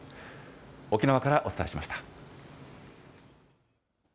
沖縄からお伝えしました。